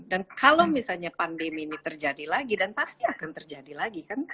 dan kalau misalnya pandemi ini terjadi lagi dan pasti akan terjadi lagi